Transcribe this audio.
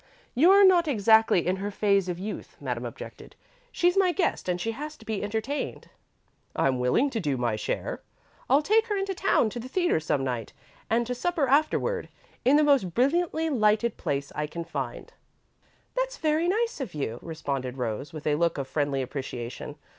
"You're not exactly in her phase of youth," Madame objected. "She's my guest and she has to be entertained." "I'm willing to do my share. I'll take her into town to the theatre some night, and to supper afterward, in the most brilliantly lighted place I can find." "That's very nice of you," responded Rose, with a look of friendly appreciation.